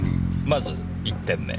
まず１点目。